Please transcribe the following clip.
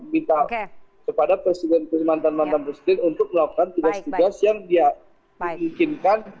kita kepada presiden dari mantan mantan presiden untuk melakukan tugas tugas yang dia seinginkan